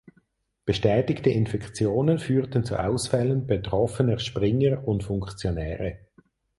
Bestätigte Infektionen führten zu Ausfällen betroffener Springer und Funktionäre.